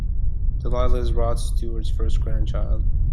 Delilah is Rod Stewart's first grandchild.